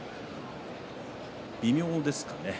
微妙ですかね？